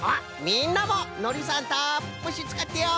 みんなものりさんたっぷしつかってよ！